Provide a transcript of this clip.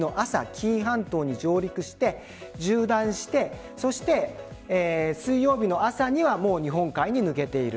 紀伊半島に上陸して縦断して水曜日の朝には日本海に抜けている。